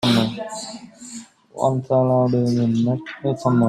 One swallow does not make a summer.